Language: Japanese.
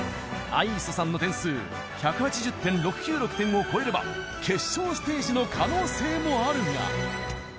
相磯さんの点数１８０．６９６点を超えれば決勝ステージの可能性もあるが。